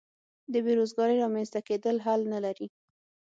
د بې روزګارۍ رامینځته کېدل حل نه لري.